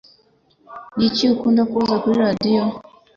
Niki ukunda kubaza kuri radiyo?